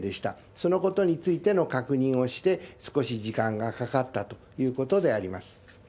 そのことについての確認をして、少し時間がかかったということであります。